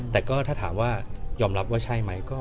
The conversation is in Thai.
แต่ก็ถ้าถามว่ายอมรับว่าใช่ไหม